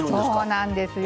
そうなんですよ。